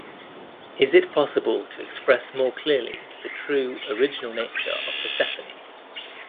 Is it possible to express more clearly the true original nature of Persephone?